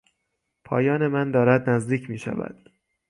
پایان من دارد نزدیک میشود.